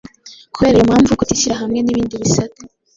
Kubera iyo mpamvukutishyira hamwe nibindi bisate